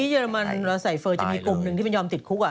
เรมันเราใส่เฟอร์จะมีกลุ่มหนึ่งที่มันยอมติดคุก